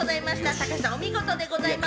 高橋さん、お見事でございました。